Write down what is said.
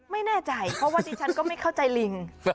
ไม่แน่ใจเพราะว่าดิฉันก็ไม่เข้าใจลิง